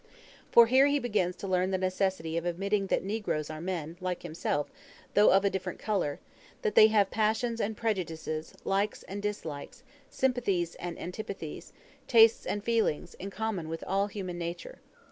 For here he begins to learn the necessity of admitting that negroes are men, like himself, though of a different colour; that they have passions and prejudices, likes and dislikes, sympathies and antipathies, tastes and feelings, in common with all human nature.